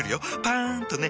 パン！とね。